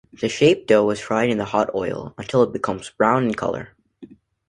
The shaped dough is fried in hot oil, until it becomes brown in colour.